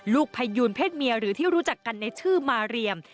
พยูนเพศเมียหรือที่รู้จักกันในชื่อมาเรียม